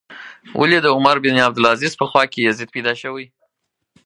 ولې د عمر بن عبدالعزیز په خوا کې یزید پیدا شوی.